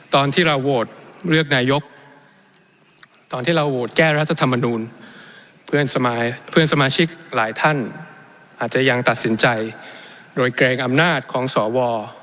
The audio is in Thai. ตอนที่เราโหวตเลือกนายกตอนที่เราโหวตแก้รัฐธรรมนูลเพื่อนสมาชิกเพื่อนสมาชิกหลายท่านอาจจะยังตัดสินใจโดยเกรงอำนาจของสว